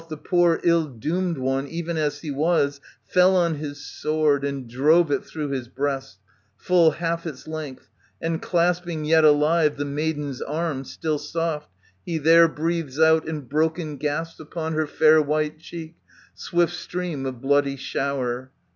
The poor ill doomed one, even as he was, Fell on his sword, and drove it through his breast, Full half its length, and clasping, yet alive, The maiden's arm, still soft, he there breathes out In broken gasps, upon her fair white cheek, Swift stream of bloody shower.